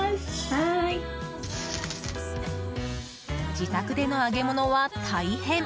自宅での揚げ物は大変。